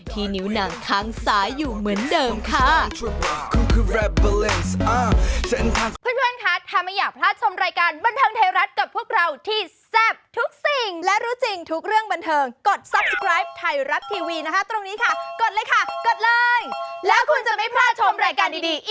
นิ้วหนังข้างซ้ายอยู่เหมือนเดิมค่ะ